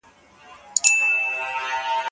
ولي ځيني هېوادونه وروسته پاتي دي؟